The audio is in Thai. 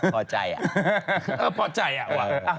พอใจอ่ะเออพอใจอ่ะว่ะ